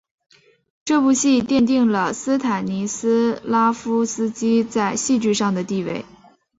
这部戏奠定了斯坦尼斯拉夫斯基在戏剧上的地位。